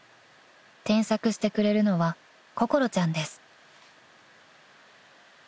［添削してくれるのは心ちゃんです］